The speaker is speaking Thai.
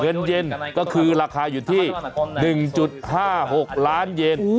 เงินเย็นก็คือราคาอยู่ที่๑๕๖ล้านเย็น